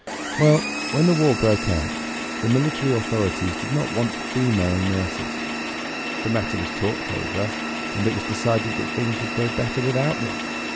Well, when the war broke out the military authorities did not want female nurses. The matter was talked over, and it was decided that things would go better without them.